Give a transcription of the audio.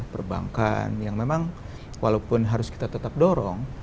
perbankan yang memang walaupun harus kita tetap dorong